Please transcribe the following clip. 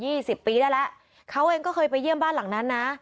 สิบปีได้แล้วเขาเองก็เคยไปเยี่ยมบ้านหลังนั้นนะ